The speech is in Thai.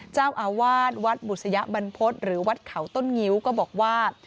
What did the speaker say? เจ้าอาวาสวัดบุษยบรรพฤษหรือวัดเขาต้นงิ้วก็บอกว่า